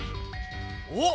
おっ！